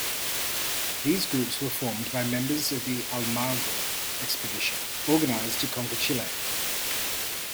These groups were formed by members of the Almagro expedition, organized to conquer Chile.